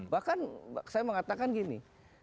bahkan saya mengatakan gini